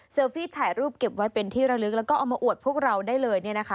เซอร์ฟี่ถ่ายรูปเก็บไว้เป็นที่ระลึกแล้วก็เอามาอวดพวกเราได้เลยเนี่ยนะคะ